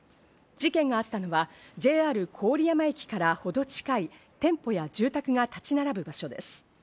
事件があったのはＪＲ郡山駅からほど近い店舗や住宅が建ち並ぶ場所です。